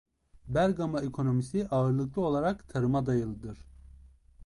Bergama ekonomisi ağırlıklı olarak tarıma dayalıdır.